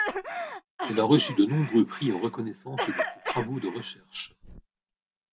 Elle a reçu de nombreux prix en reconnaissance de ses travaux de recherche.